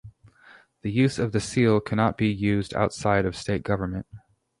The use of the seal cannot be used outside of state government.